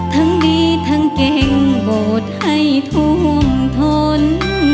ทั้งดีทั้งเก่งโบสถ์ให้ท่วมทน